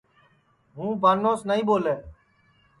ہُوں بانوس نائیں ٻولے